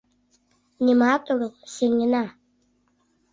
— Нимат огыл, сеҥена.